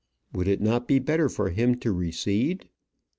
Would it not be better for him to recede?